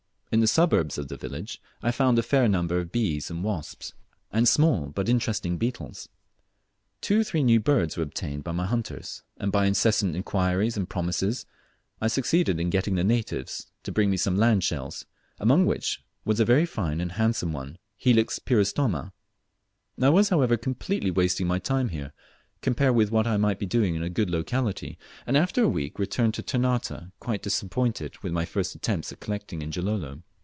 In the suburbs of the village I found a fair number of bees and wasps, and some small but interesting beetles. Two or three new birds were obtained by my hunters, and by incessant inquiries and promises I succeeded in getting the natives to bring me some land shells, among which was a very fine and handsome one, Helix pyrostoma. I was, however, completely wasting my time here compared with what I might be doing in a good locality, and after a week returned to Ternate, quite disappointed with my first attempts at collecting in Gilolo.